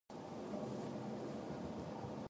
The number of blows for the groove to close is recorded.